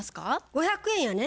５００円やね。